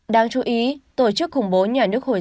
đáng chú ý tổ chức khủng bố nhà nước hồi giáo